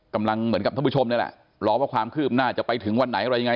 เหมือนกับท่านผู้ชมนี่แหละรอว่าความคืบหน้าจะไปถึงวันไหนอะไรยังไง